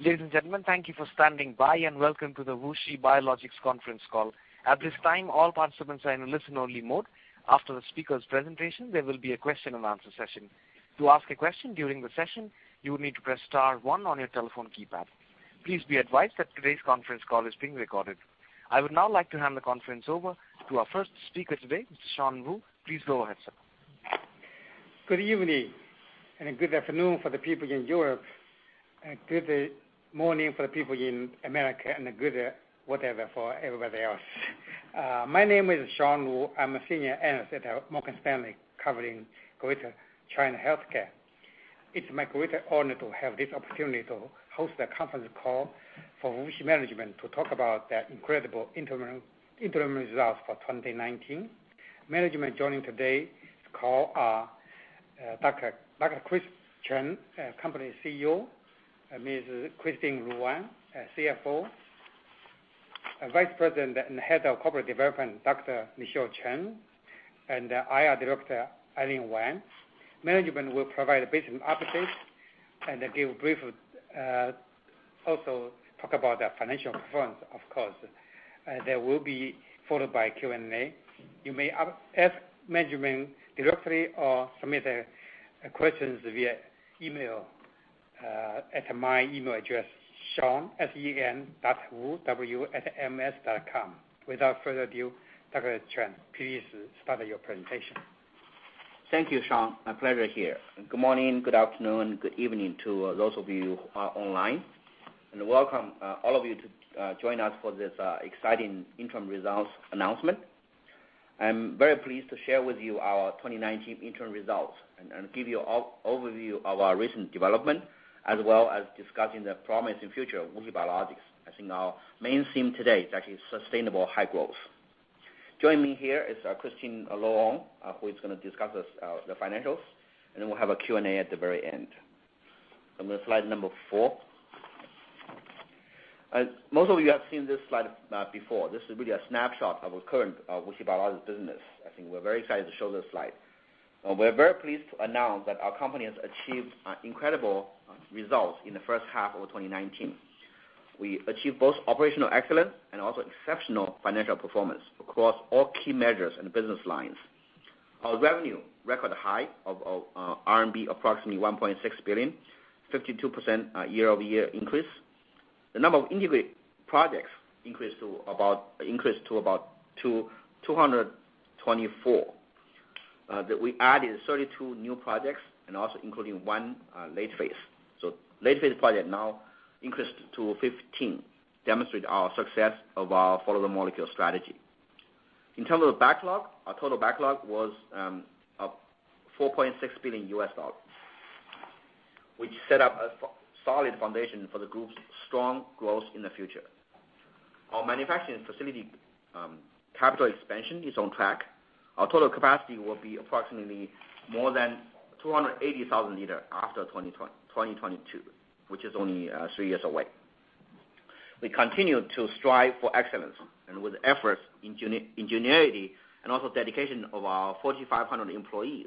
Ladies and gentlemen, thank you for standing by, and welcome to the WuXi Biologics conference call. At this time, all participants are in a listen-only mode. After the speakers' presentation, there will be a question-and-answer session. To ask a question during the session, you will need to press star one on your telephone keypad. Please be advised that today's conference call is being recorded. I would now like to hand the conference over to our first speaker today, Mr. Sean Wu. Please go ahead, sir. Good evening, and good afternoon for the people in Europe, and good morning for the people in America, and good whatever for everybody else. My name is Sean Wu. I'm a senior analyst at Morgan Stanley, covering Greater China Healthcare. It's my great honor to have this opportunity to host the conference call for WuXi management to talk about their incredible interim results for 2019. Management joining today's call are Dr. Chris Chen, Company CEO, Ms. Christine Lu-Wong, CFO, Vice President and Head of Corporate Development, Dr. Michelle Chen, and IR Director, Eileen Wang. Management will provide a business update and also talk about their financial performance, of course. There will be followed by Q&A. You may ask management directly or submit questions via email at my email address, sean.wu@morganstanley.com. Without further ado, Dr. Chen, please start your presentation. Thank you, Sean. My pleasure here. Good morning, good afternoon, good evening to those of you who are online. Welcome all of you to join us for this exciting interim results announcement. I'm very pleased to share with you our 2019 interim results and give you an overview of our recent development, as well as discussing the promising future of WuXi Biologics. I think our main theme today is actually sustainable high growth. Joining me here is Christine Lu-Wong, who is going to discuss the financials, and then we'll have a Q&A at the very end. On the slide number four. Most of you have seen this slide before. This is really a snapshot of our current WuXi Biologics business. I think we're very excited to show this slide. We're very pleased to announce that our company has achieved incredible results in the first half of 2019. We achieved both operational excellence and also exceptional financial performance across all key measures and business lines. Our revenue, record high of RMB approximately 1.6 billion, 52% year-over-year increase. The number of integrated projects increased to about 224, that we added 32 new projects and also including one late phase. Late phase project now increased to 15, demonstrate our success of our Follow the Molecule strategy. In terms of backlog, our total backlog was $4.6 billion, which set up a solid foundation for the group's strong growth in the future. Our manufacturing facility capital expansion is on track. Our total capacity will be approximately more than 280,000 liter after 2022, which is only three years away. We continue to strive for excellence and with efforts, ingenuity, and also dedication of our 4,500 employees.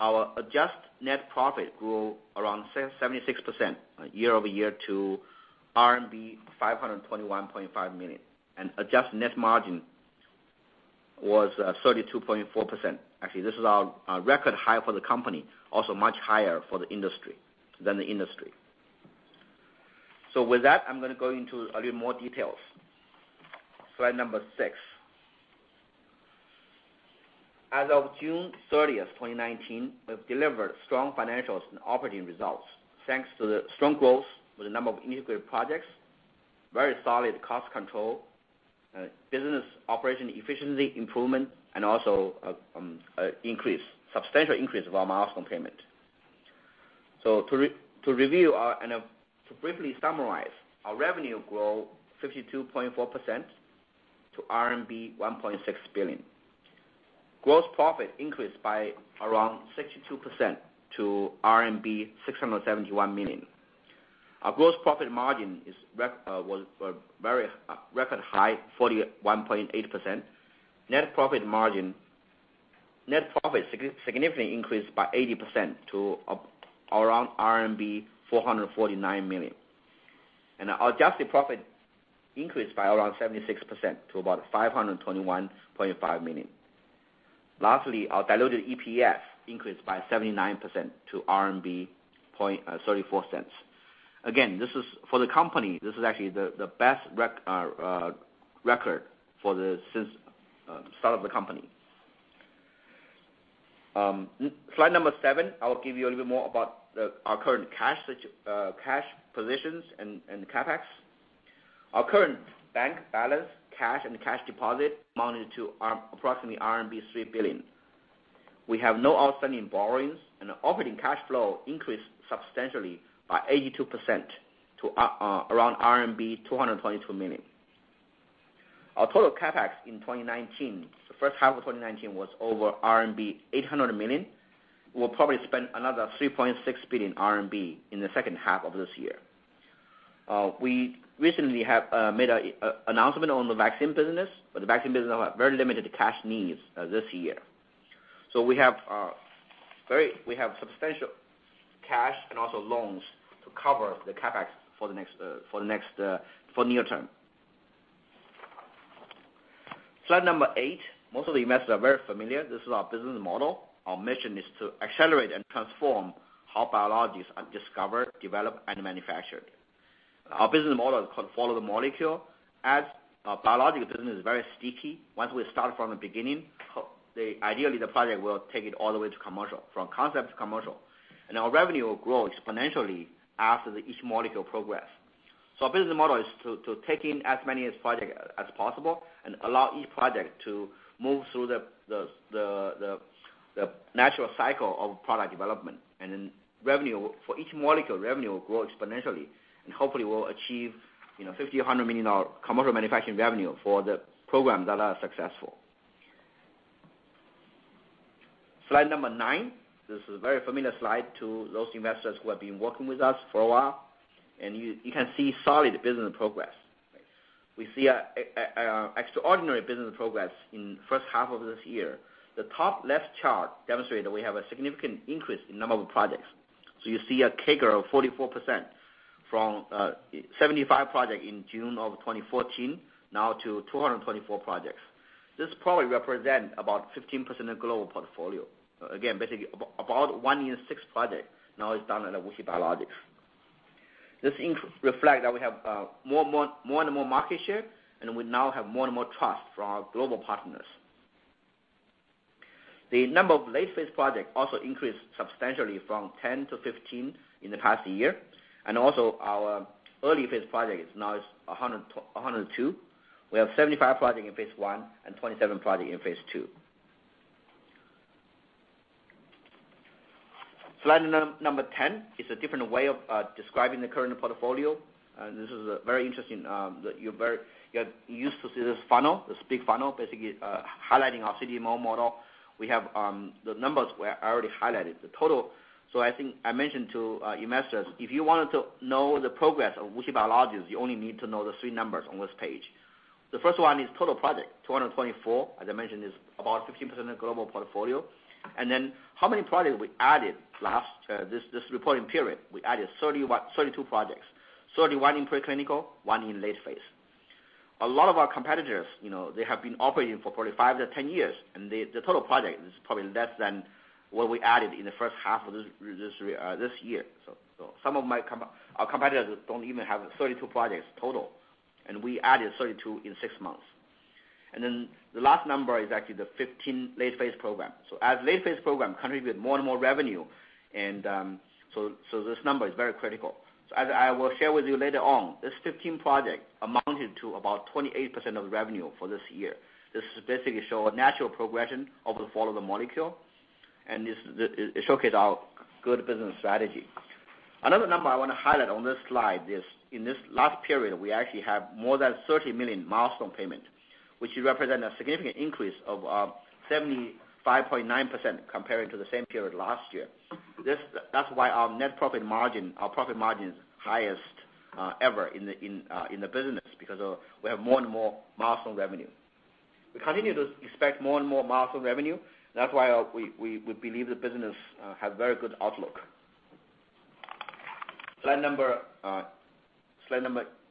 Our adjusted net profit grew around 76% year-over-year to RMB 521.5 million, and adjusted net margin was 32.4%. Actually, this is our record high for the company, also much higher than the industry. With that, I'm going to go into a little more details. Slide number six. As of June 30th, 2019, we've delivered strong financials and operating results, thanks to the strong growth with the number of integrated projects, very solid cost control, business operation efficiency improvement, and also substantial increase of our milestone payment. To review and to briefly summarize, our revenue grew 52.4% to RMB 1.6 billion. Gross profit increased by around 62% to RMB 671 million. Our gross profit margin was a very record high, 41.8%. Net profit significantly increased by 80% to around RMB 449 million. Our adjusted profit increased by around 76% to about 521.5 million. Our diluted EPS increased by 79% to 0.34. Again, for the company, this is actually the best record since the start of the company. Slide number seven, I'll give you a little bit more about our current cash positions and CapEx. Our current bank balance, cash and cash deposit amounted to approximately RMB 3 billion. We have no outstanding borrowings, and operating cash flow increased substantially by 82% to around RMB 222 million. Our total CapEx in 2019, the first half of 2019, was over RMB 800 million. We'll probably spend another 3.6 billion RMB in the second half of this year. We recently have made an announcement on the vaccine business, but the vaccine business will have very limited cash needs this year. We have substantial cash and also loans to cover the CapEx for near-term. Slide number eight. Most of the investors are very familiar. This is our business model. Our mission is to accelerate and transform how biologics are discovered, developed, and manufactured. Our business model is called Follow the Molecule. As a biologics business is very sticky, once we start from the beginning, ideally the project will take it all the way to commercial, from concept to commercial. Our revenue will grow exponentially after each molecule progress. Our business model is to take in as many projects as possible, and allow each project to move through the natural cycle of product development. For each molecule, revenue will grow exponentially and hopefully we'll achieve RMB 5,000 million commercial manufacturing revenue for the programs that are successful. Slide number nine. This is a very familiar slide to those investors who have been working with us for a while, and you can see solid business progress. We see extraordinary business progress in the first half of this year. The top left chart demonstrates that we have a significant increase in number of projects. You see a CAGR of 44% from 75 projects in June of 2014 now to 224 projects. This probably represents about 15% of global portfolio. Basically about one in six projects now is done at WuXi Biologics. This reflects that we have more and more market share, and we now have more and more trust from our global partners. The number of late phase projects also increased substantially from 10 to 15 in the past year. Our early phase projects now is 102. We have 75 projects in phase I and 27 projects in phase II. Slide number 10 is a different way of describing the current portfolio. This is very interesting. You're used to see this funnel, this big funnel, basically highlighting our CDMO model. We have the numbers were already highlighted, the total. I think I mentioned to investors, if you wanted to know the progress of WuXi Biologics, you only need to know the three numbers on this page. The first one is total project, 224. As I mentioned, it's about 15% of global portfolio. How many projects we added this reporting period. We added 32 projects, 31 in preclinical, one in late phase. A lot of our competitors, they have been operating for probably 5-10 years, and the total project is probably less than what we added in the first half of this year. Some of our competitors don't even have 32 projects total. We added 32 in six months. The last number is actually the 15 late phase programs. Late phase programs contribute more and more revenue, this number is very critical. I will share with you later on, these 15 projects amounted to about 28% of the revenue for this year. This basically show a natural progression of the Follow the Molecule, and it showcase our good business strategy. Another number I want to highlight on this slide is, in this last period, we actually have more than 30 million milestone payment, which represent a significant increase of 75.9% comparing to the same period last year. Our net profit margin, our profit margin is highest ever in the business because we have more and more milestone revenue. We continue to expect more and more milestone revenue. We believe the business has very good outlook. Slide number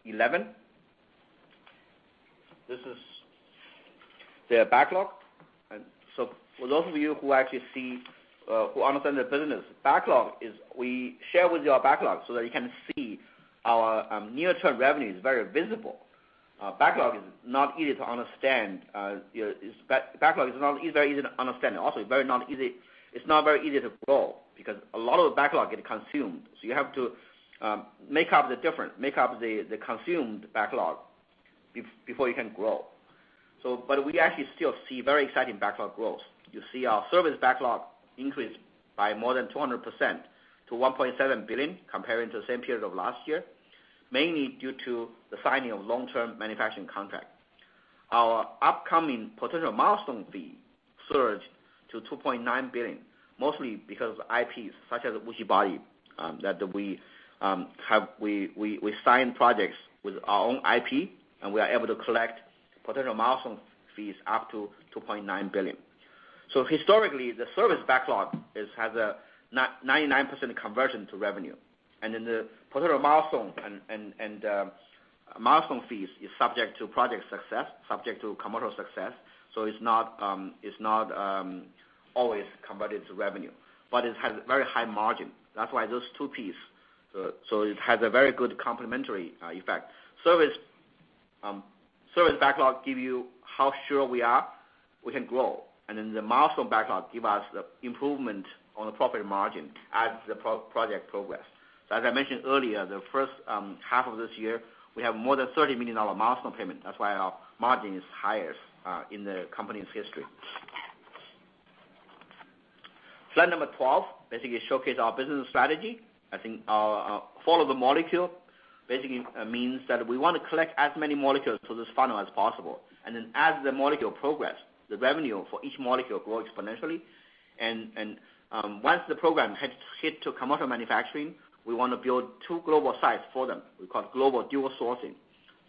11. This is the backlog. For those of you who understand the business, we share with you our backlog so that you can see our near-term revenue is very visible. Backlog is not easy to understand. Also, it's not very easy to grow because a lot of the backlog get consumed. You have to make up the consumed backlog before you can grow. We actually still see very exciting backlog growth. You see our service backlog increased by more than 200% to $1.7 billion comparing to the same period of last year, mainly due to the signing of long-term manufacturing contract. Our upcoming potential milestone fee surged to $2.9 billion, mostly because of IPs such as WuXiBody, that we signed projects with our own IP, and we are able to collect potential milestone fees up to $2.9 billion. Historically, the service backlog has a 99% conversion to revenue. The potential milestone fees is subject to project success, subject to commercial success, so it's not always converted to revenue. It has very high margin. That's why those two pieces, so it has a very good complementary effect. Service backlog give you how sure we are we can grow. The milestone backlog give us the improvement on the profit margin as the project progress. As I mentioned earlier, the first half of this year, we have more than RMB 30 million milestone payment. That's why our margin is highest in the company's history. Slide number 12 basically showcase our business strategy. I think our Follow the Molecule basically means that we want to collect as many molecules to this funnel as possible. As the molecule progress, the revenue for each molecule grow exponentially. Once the program hit to commercial manufacturing, we want to build 2 global sites for them. We call it Global Dual Sourcing.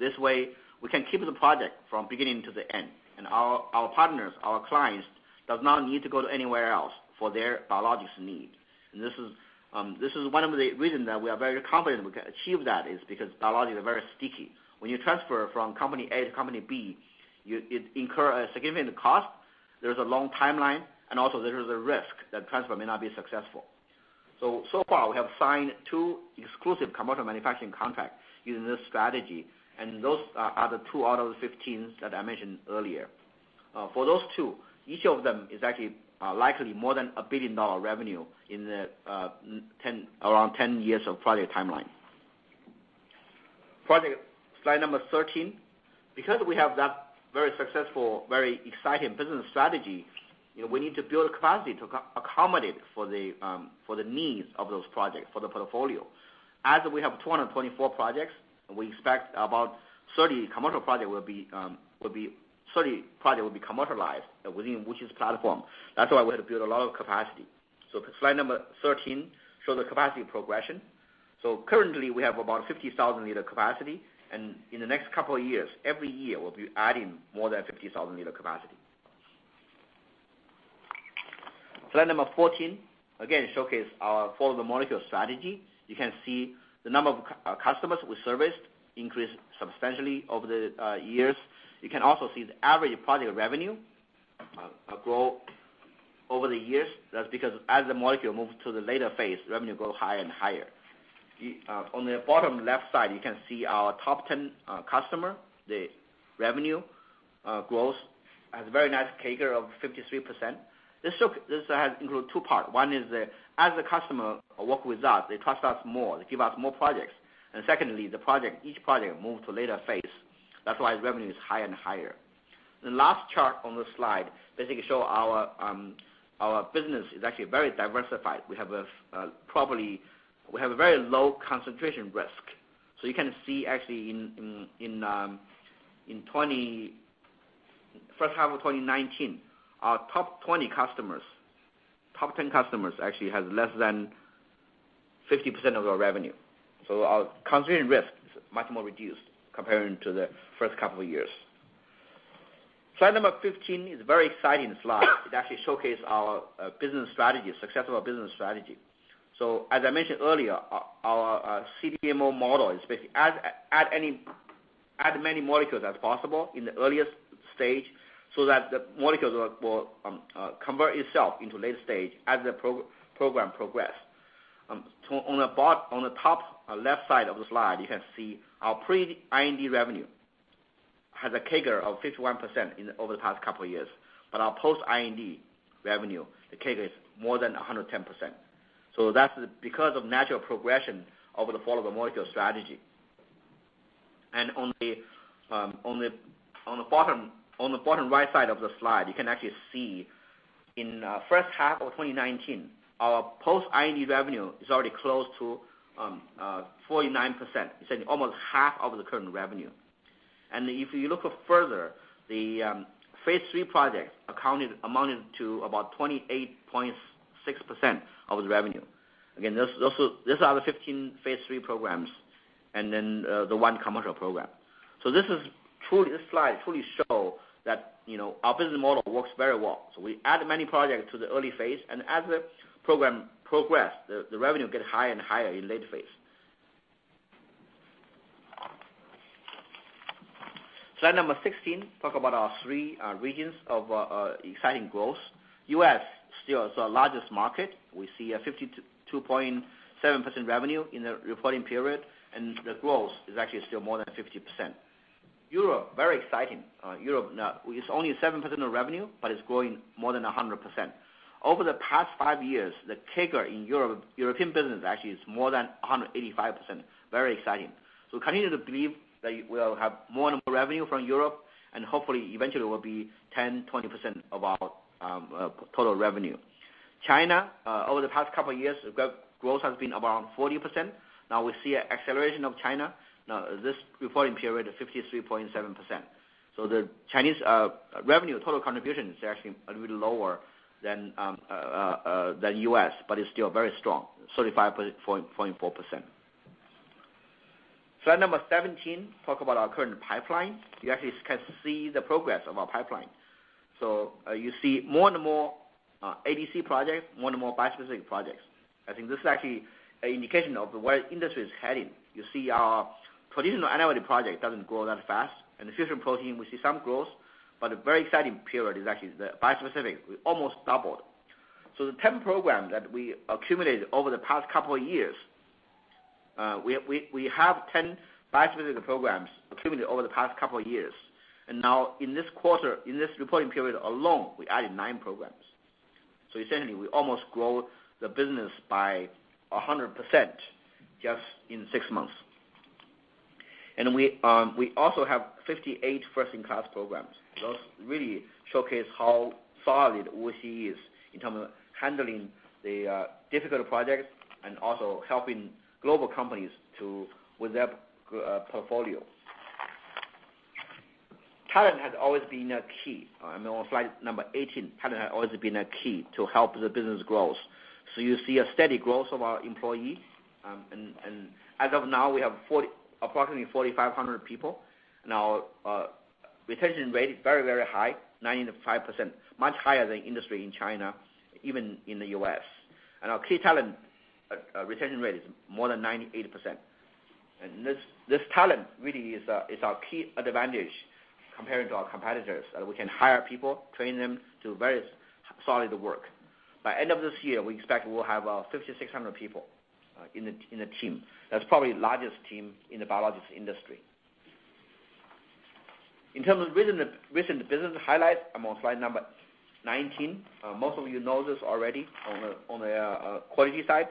This way, we can keep the project from beginning to the end. Our partners, our clients, does not need to go to anywhere else for their biologics need. This is one of the reasons that we are very confident we can achieve that is because biologics are very sticky. When you transfer from company A to company B, it incurs a significant cost. There's a long timeline, and also there is a risk that transfer may not be successful. So far, we have signed 2 exclusive commercial manufacturing contracts using this strategy, and those are the 2 out of the 15 that I mentioned earlier. For those two, each of them is actually likely more than a billion-dollar revenue in around 10 years of project timeline. Slide number 13. Because we have that very successful, very exciting business strategy, we need to build capacity to accommodate for the needs of those projects, for the portfolio. As we have 224 projects, and we expect about 30 projects will be commercialized within WuXi's platform. That's why we had to build a lot of capacity. Slide number 13 show the capacity progression. Currently, we have about 50,000 liter capacity, and in the next couple of years, every year, we'll be adding more than 50,000 liter capacity. Slide number 14, again, showcase our Follow the Molecule strategy. You can see the number of customers we serviced increased substantially over the years. You can also see the average project revenue grow over the years. That's because as the molecule moves to the later phase, revenue grow higher and higher. On the bottom left side, you can see our top 10 customer, the revenue growth has a very nice CAGR of 53%. This include two parts. One is that as the customer work with us, they trust us more, they give us more projects. Secondly, each project move to later phase. That's why revenue is higher and higher. The last chart on the slide basically show our business is actually very diversified. We have a very low concentration risk. You can see actually in first half of 2019, our top 20 customers, top 10 customers actually has less than 50% of our revenue. Our concentration risk is much more reduced comparing to the first couple of years. Slide number 15 is very exciting slide. It actually showcase our business strategy, success of our business strategy. As I mentioned earlier, our CDMO model is basically add many molecules as possible in the earliest stage so that the molecules will convert itself into later stage as the program progress. On the top left side of the slide, you can see our pre-IND revenue has a CAGR of 51% over the past couple of years. Our post-IND revenue, the CAGR is more than 110%. That's because of natural progression over the Follow the Molecule strategy. On the bottom right side of the slide, you can actually see in first half of 2019, our post-IND revenue is already close to 49%, it's almost half of the current revenue. If you look further, the phase III projects amounted to about 28.6% of the revenue. Again, these are the 15 phase III programs and then the one commercial program. This slide truly show that our business model works very well. We add many projects to the early phase, and as the program progress, the revenue get higher and higher in later phase. Slide number 16 talk about our three regions of exciting growth. U.S. still is our largest market. We see a 52.7% revenue in the reporting period, and the growth is actually still more than 50%. Europe, very exciting. Europe now is only 7% of revenue, but it's growing more than 100%. Over the past five years, the CAGR in European business actually is more than 185%. Very exciting. We continue to believe that we'll have more and more revenue from Europe, and hopefully, eventually, it will be 10%, 20% of our total revenue. China, over the past couple of years, growth has been around 40%. We see an acceleration of China. This reporting period is 53.7%. The Chinese revenue total contribution is actually a little lower than U.S., but it's still very strong, 35.4%. Slide number 17 talk about our current pipeline. You actually can see the progress of our pipeline. You see more and more ADC projects, more and more bispecific projects. I think this is actually an indication of where the industry is heading. You see our traditional antibody project doesn't grow that fast. In the fusion protein, we see some growth, but a very exciting period is actually the bispecific. We almost doubled. The 10 programs that we accumulated over the past couple of years, we have 10 bispecific programs accumulated over the past couple of years. Now in this quarter, in this reporting period alone, we added nine programs. Essentially, we almost grow the business by 100% just in six months. We also have 58 first-in-class programs. Those really showcase how solid WuXi is in terms of handling the difficult projects and also helping global companies with their portfolio. Talent has always been a key. On slide number 18, talent has always been a key to help the business growth. You see a steady growth of our employees. As of now, we have approximately 4,500 people. Our retention rate is very, very high, 95%, much higher than industry in China, even in the U.S. Our key talent retention rate is more than 98%. This talent really is our key advantage compared to our competitors. We can hire people, train them to very solid work. By end of this year, we expect we'll have 5,600 people in the team. That's probably the largest team in the biologics industry. In terms of recent business highlight on slide number 19. Most of you know this already. On the quality side,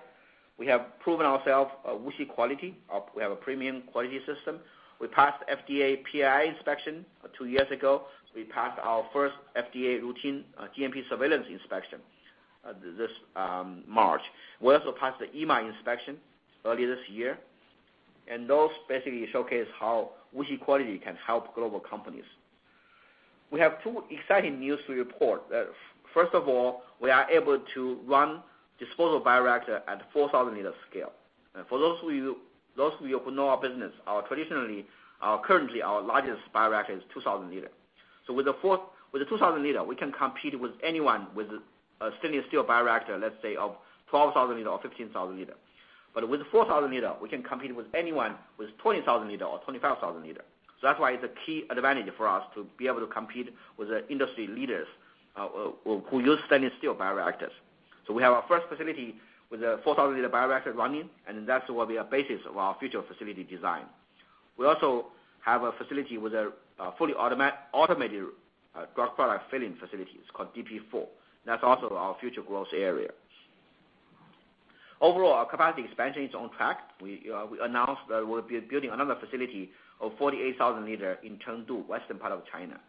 we have proven ourselves WuXi quality. We have a premium quality system. We passed FDA PAI inspection two years ago. We passed our first FDA routine GMP surveillance inspection this March. We also passed the EMA inspection earlier this year, and those basically showcase how WuXi quality can help global companies. We have two exciting news to report. First of all, we are able to run disposable bioreactor at 4,000-liter scale. For those of you who know our business, currently our largest bioreactor is 2,000 liter. With the 2,000 liter, we can compete with anyone with a stainless steel bioreactor, let's say, of 12,000 liter or 15,000 liter. With 4,000 liter, we can compete with anyone with 20,000 liter or 25,000 liter. That's why it's a key advantage for us to be able to compete with the industry leaders who use stainless steel bioreactors. We have our first facility with a 4,000-liter bioreactor running, and that's what will be our basis of our future facility design. We also have a facility with a fully automated drug product filling facilities, called DP4. That's also our future growth area. Overall, our capacity expansion is on track. We announced that we'll be building another facility of 48,000 liter in Chengdu, western part of China.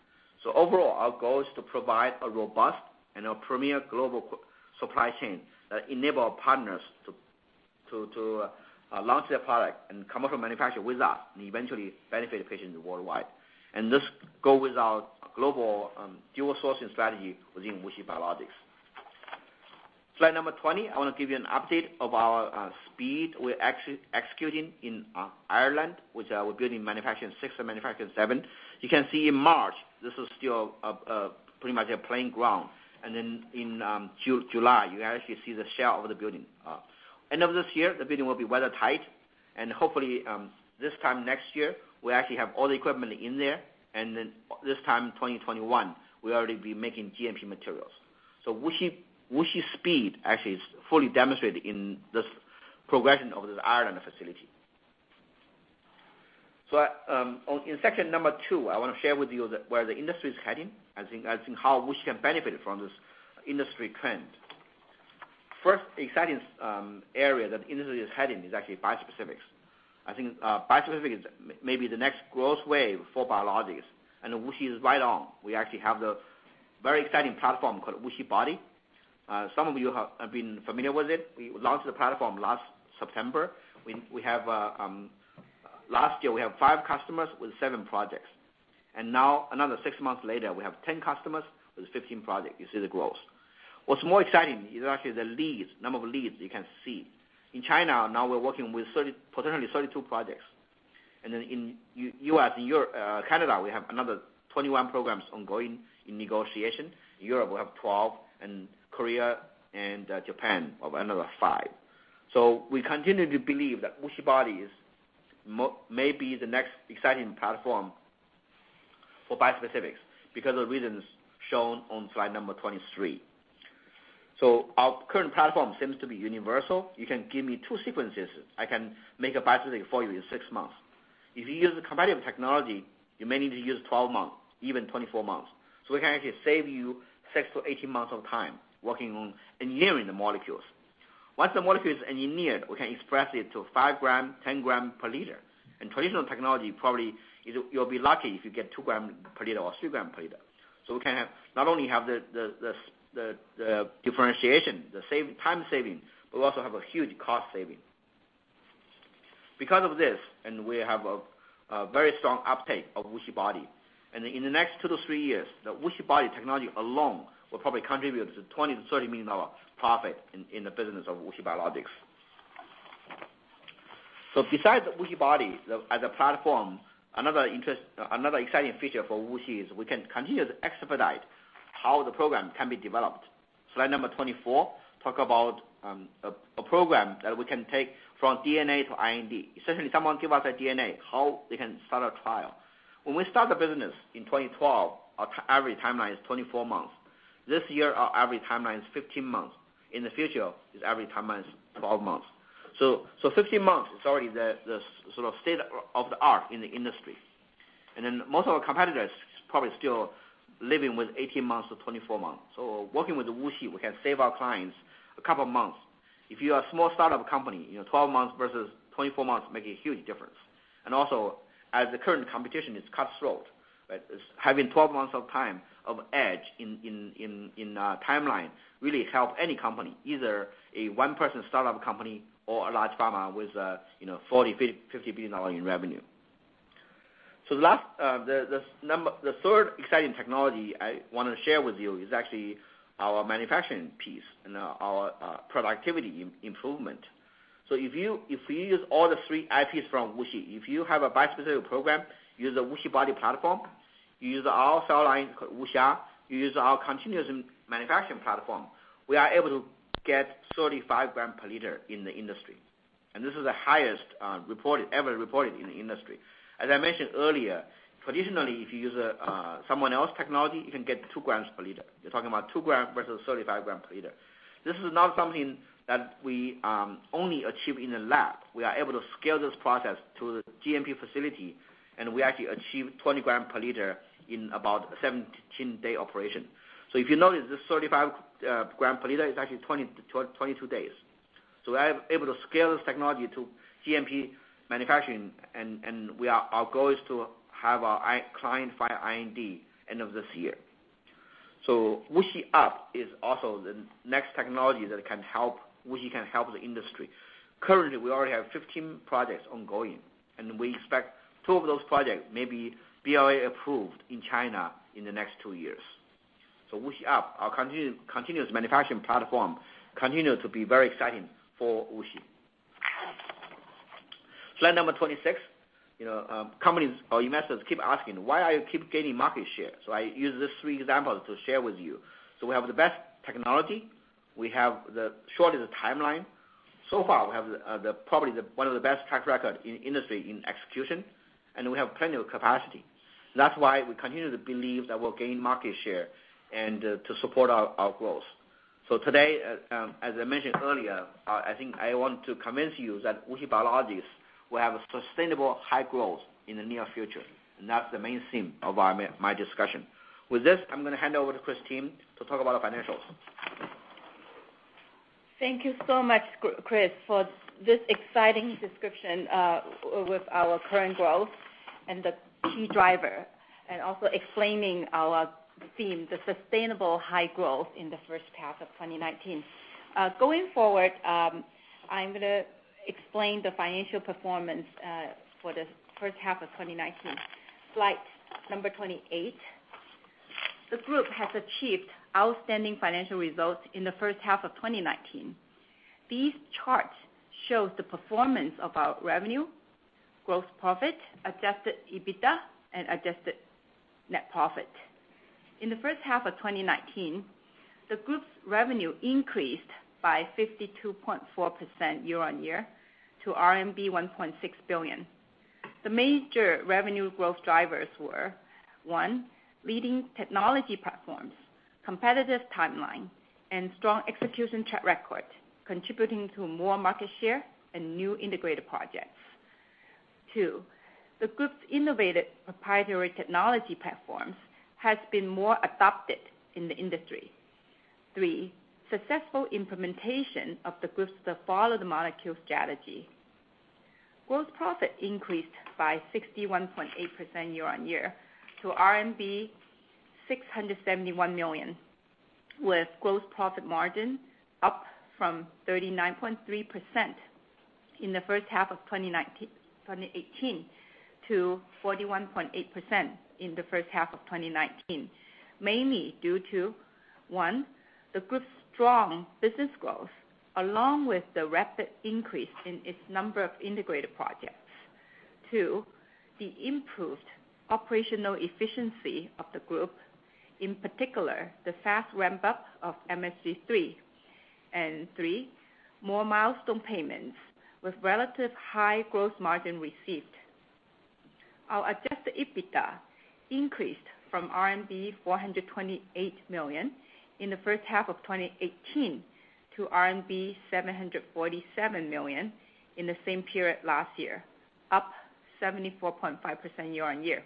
Overall, our goal is to provide a robust and a premier global supply chain that enable our partners to launch their product and come up with manufacture with us and eventually benefit patients worldwide. This go with our Global Dual Sourcing strategy within WuXi Biologics. Slide number 20, I want to give you an update of our speed. We're actually executing in Ireland, which we're building manufacturing 6 and manufacturing 7. You can see in March, this is still pretty much a playing ground. In July, you can actually see the shell of the building. End of this year, the building will be weather-tight, and hopefully, this time next year, we actually have all the equipment in there. This time 2021, we'll already be making GMP materials. WuXi speed actually is fully demonstrated in this progression of this Ireland facility. In section number 2, I want to share with you where the industry is heading. I think how WuXi can benefit from this industry trend. First exciting area that industry is heading is actually bispecific. I think bispecific is maybe the next growth wave for biologics, and WuXi is right on. We actually have the very exciting platform called WuXiBody. Some of you have been familiar with it. We launched the platform last September. Last year, we have five customers with seven projects. Now another six months later, we have 10 customers with 15 projects. You see the growth. What's more exciting is actually the leads, number of leads you can see. In China, now we're working with potentially 32 projects. In U.S., Canada, we have another 21 programs ongoing in negotiation. Europe, we have 12, and Korea and Japan have another five. We continue to believe that WuXiBody is maybe the next exciting platform for bispecific because of the reasons shown on slide 23. You can give me 2 sequences. I can make a bispecific for you in 6 months. If you use the competitive technology, you may need to use 12 months, even 24 months. We can actually save you 6-18 months of time working on engineering the molecules. Once the molecule is engineered, we can express it to 5 gram, 10 gram per liter. In traditional technology, probably you'll be lucky if you get 2 gram per liter or 3 gram per liter. We can not only have the differentiation, the time saving, but we also have a huge cost saving. Because of this, and we have a very strong uptake of WuXiBody, and in the next 2-3 years, the WuXiBody technology alone will probably contribute to RMB 20 million-RMB 30 million profit in the business of WuXi Biologics. Besides WuXiBody as a platform, another exciting feature for WuXi is we can continue to expedite how the program can be developed. Slide number 24 talk about a program that we can take from DNA to IND. Essentially, someone give us a DNA, how they can start a trial. When we start the business in 2012, our average timeline is 24 months. This year, our average timeline is 15 months. In the future, its average timeline is 12 months. 15 months is already the sort of state-of-the-art in the industry. Most of our competitors probably still living with 18 months-24 months. Working with WuXi, we can save our clients a couple of months. If you are a small start-up company, 12 months versus 24 months make a huge difference. Also, as the current competition is cutthroat, right? Having 12 months of time of edge in timeline really help any company, either a one-person start-up company or a large pharma with $40 billion, $50 billion in revenue. The third exciting technology I want to share with you is actually our manufacturing piece and our productivity improvement. If you use all the three IPs from WuXi, if you have a bispecific program, use a WuXiBody platform, you use our cell line, WuXia, you use our continuous manufacturing platform, we are able to get 35 gram per liter in the industry. This is the highest ever reported in the industry. As I mentioned earlier, traditionally, if you use someone else's technology, you can get two grams per liter. You're talking about two gram versus 35 gram per liter. This is not something that we only achieve in the lab. We are able to scale this process to the GMP facility, and we actually achieve 20 gram per liter in about a 17-day operation. If you notice this 35 gram per liter is actually 22 days. We are able to scale this technology to GMP manufacturing, and our goal is to have our client file IND end of this year. WuXia is also the next technology that WuXi can help the industry. Currently, we already have 15 projects ongoing, and we expect two of those projects may be BLA approved in China in the next two years. WuXiUP, our continuous manufacturing platform, continue to be very exciting for WuXi. Slide number 26. Investors keep asking, "Why are you keep gaining market share?" I use these three examples to share with you. We have the best technology. We have the shortest timeline. So far, we have probably one of the best track record in industry in execution, and we have plenty of capacity. That's why we continue to believe that we'll gain market share and to support our growth. Today, as I mentioned earlier, I think I want to convince you that WuXi Biologics will have a sustainable high growth in the near future, and that's the main theme of my discussion. With this, I'm going to hand over to Christine to talk about the financials. Thank you so much, Chris, for this exciting description, with our current growth and the key driver, Also explaining our theme, the sustainable high growth in the first half of 2019. Going forward, I'm going to explain the financial performance, for the first half of 2019. Slide number 28. The group has achieved outstanding financial results in the first half of 2019. These charts shows the performance of our revenue, growth profit, adjusted EBITDA, and adjusted net profit. In the first half of 2019, the group's revenue increased by 52.4% year on year to RMB 1.6 billion. The major revenue growth drivers were, one, leading technology platforms, competitive timeline, and strong execution track record contributing to more market share and new integrated projects. Two, the group's innovative proprietary technology platforms has been more adopted in the industry. Three, successful implementation of the group's Follow the Molecule strategy. Gross profit increased by 61.8% year on year to RMB 671 million, with gross profit margin up from 39.3% in the first half of 2018 to 41.8% in the first half of 2019. Mainly due to, one, the group's strong business growth, along with the rapid increase in its number of integrated projects. Two, the improved operational efficiency of the group, in particular, the fast ramp-up of MFG3. Three, more milestone payments with relatively high gross margin received. Our adjusted EBITDA increased from RMB 428 million in the first half of 2018 to RMB 747 million in the same period last year, up 74.5% year on year.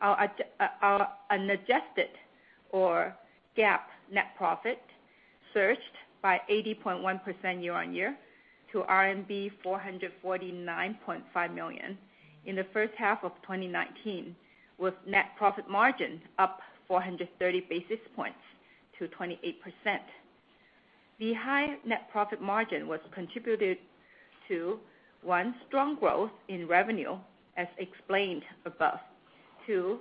Our unadjusted or GAAP net profit surged by 80.1% year on year to RMB 449.5 million in the first half of 2019, with net profit margin up 430 basis points to 28%. The high net profit margin was contributed to, one, strong growth in revenue as explained above. Two,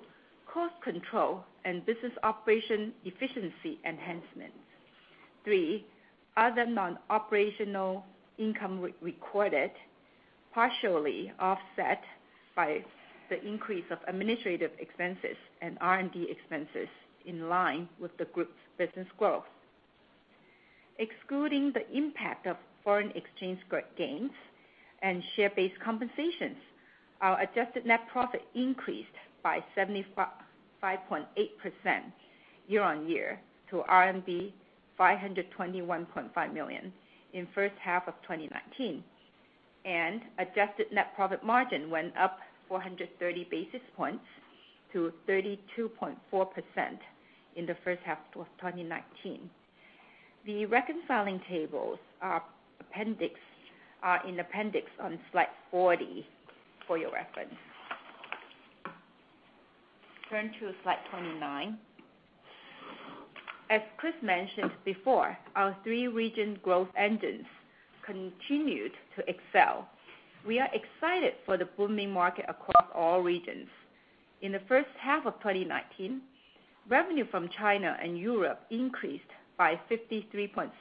cost control and business operation efficiency enhancements. Three, other non-operational income recorded partially offset by the increase of administrative expenses and R&D expenses in line with the group's business growth. Excluding the impact of foreign exchange gains and share-based compensations, our adjusted net profit increased by 75.8% year-on-year to RMB 521.5 million in first half of 2019, and adjusted net profit margin went up 430 basis points to 32.4% in the first half of 2019. The reconciling tables are in appendix on slide 40 for your reference. Turn to slide 29. As Chris mentioned before, our three region growth engines continued to excel. We are excited for the booming market across all regions. In the first half of 2019, revenue from China and Europe increased by 53.7%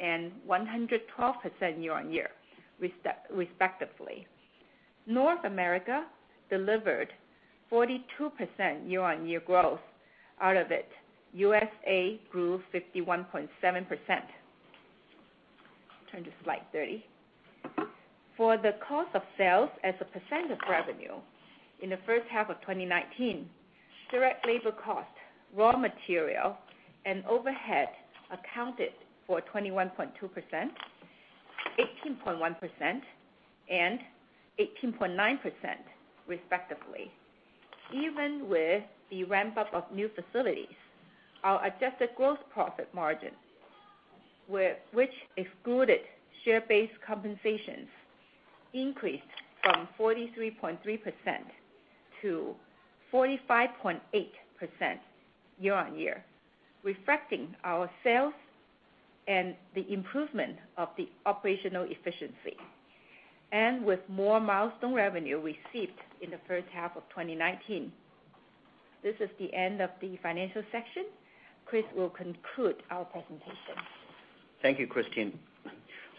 and 112% year-on-year, respectively. North America delivered 42% year-on-year growth. Out of it, USA grew 51.7%. Turn to slide 30. For the cost of sales as a % of revenue, in the first half of 2019, direct labor cost, raw material, and overhead accounted for 21.2%, 18.1%, and 18.9%, respectively. Even with the ramp-up of new facilities, our adjusted gross profit margin, which excluded share-based compensations, increased from 43.3% to 45.8% year-on-year, reflecting our sales and the improvement of the operational efficiency, and with more milestone revenue received in the first half of 2019. This is the end of the financial section. Chris will conclude our presentation. Thank you, Christine.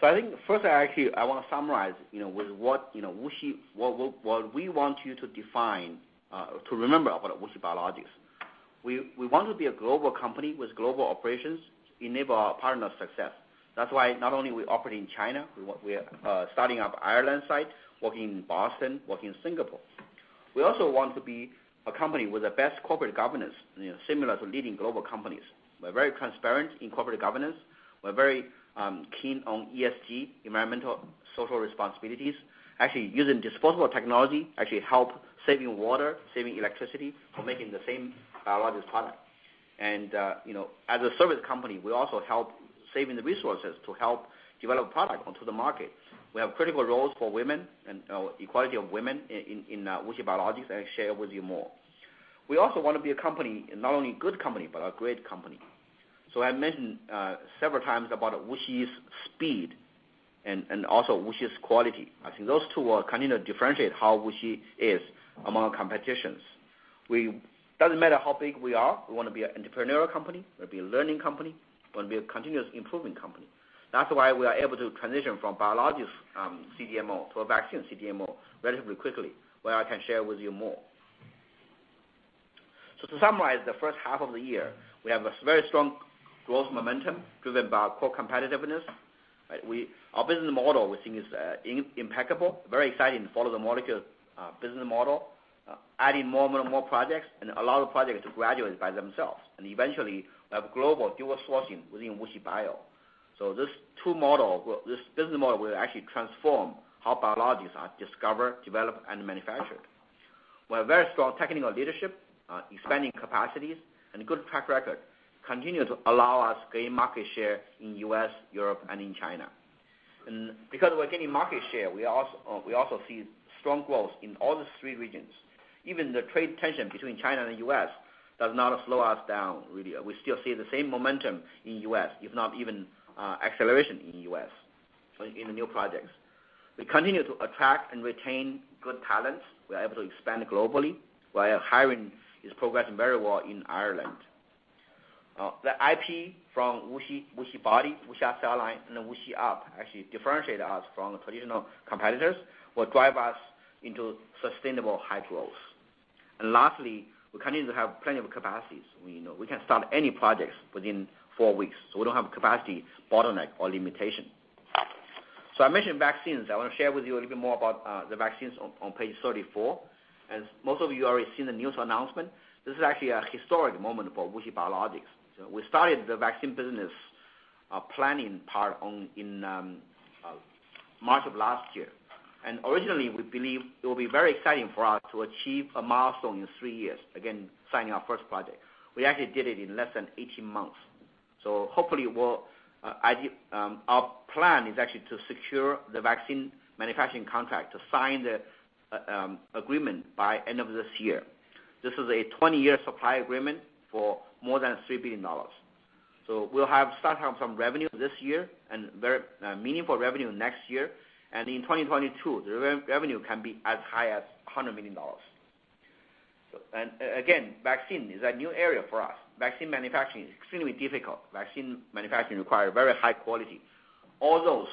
I think first actually, I want to summarize with what we want you to remember about WuXi Biologics. We want to be a global company with global operations to enable our partner success. That's why not only we operate in China, we are starting up Ireland site, working in Boston, working in Singapore. We also want to be a company with the best corporate governance, similar to leading global companies. We're very transparent in corporate governance. We're very keen on ESG, environmental social responsibilities. Actually, using disposable technology actually help saving water, saving electricity for making the same biologics product. As a service company, we also help saving the resources to help develop product onto the market. We have critical roles for equality of women in WuXi Biologics, and I share with you more. We also want to be a company, not only a good company, but a great company. I mentioned several times about WuXi's speed and also WuXi's quality. I think those two will continue to differentiate how WuXi is among competitions. It doesn't matter how big we are, we want to be an entrepreneurial company, we want to be a learning company, we want to be a continuous improving company. That's why we are able to transition from biologics CDMO to a vaccine CDMO relatively quickly, where I can share with you more. To summarize the first half of the year, we have a very strong growth momentum driven by our core competitiveness. Our business model we think is impeccable, very exciting to Follow the Molecule business model, adding more and more projects and allow the projects to graduate by themselves. Eventually, we have Global Dual Sourcing within WuXi Bio. This business model will actually transform how biologics are discovered, developed, and manufactured. We have very strong technical leadership, expanding capacities, and good track record, continue to allow us gain market share in U.S., Europe, and in China. Because we're gaining market share, we also see strong growth in all the three regions. Even the trade tension between China and the U.S. does not slow us down really. We still see the same momentum in U.S., if not even acceleration in U.S., in the new projects. We continue to attract and retain good talents. We're able to expand globally while hiring is progressing very well in Ireland. The IP from WuXiBody, WuXia, and WuXiUP actually differentiate us from traditional competitors, will drive us into sustainable high growth. Lastly, we continue to have plenty of capacities. We can start any projects within four weeks, so we don't have capacity bottleneck or limitation. I mentioned vaccines. I want to share with you a little bit more about the vaccines on page 34, as most of you already seen the news announcement. This is actually a historic moment for WuXi Biologics. We started the vaccine business planning part in March of last year. Originally, we believe it will be very exciting for us to achieve a milestone in three years, again, signing our first project. We actually did it in less than 18 months. Hopefully, our plan is actually to secure the vaccine manufacturing contract to sign the agreement by end of this year. This is a 20-year supply agreement for more than $3 billion. We'll start having some revenue this year and very meaningful revenue next year. In 2022, the revenue can be as high as RMB 100 million. Again, vaccine is a new area for us. Vaccine manufacturing is extremely difficult. Vaccine manufacturing require very high quality. Although,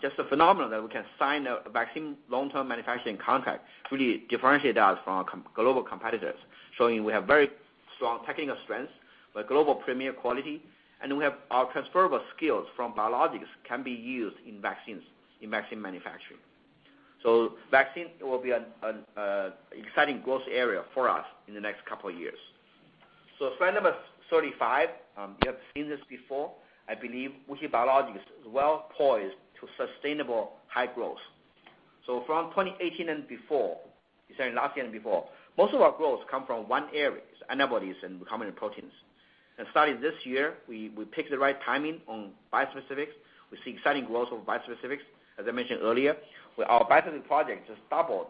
just the phenomenon that we can sign a vaccine long-term manufacturing contract really differentiate us from our global competitors, showing we have very strong technical strength with global premier quality, and our transferable skills from biologics can be used in vaccine manufacturing. Vaccine will be an exciting growth area for us in the next couple of years. Slide number 35. You have seen this before. I believe WuXi Biologics is well-poised to sustainable high growth. From 2018 and before, starting last year and before, most of our growth come from one area, is antibodies and recombinant proteins. Starting this year, we picked the right timing on bispecific. We see exciting growth of bispecific. As I mentioned earlier, our bispecific projects just doubled.